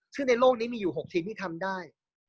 ซึ่งในโลกนี้มีอยู่๖ชิ้นที่ทำได้